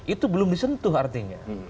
itu belum disentuh artinya